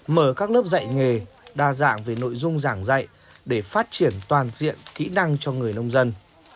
mở các lớp dạy nghề đa dạng về nội dung giảng dạy để phát triển toàn diện kỹ năng cho người nông dân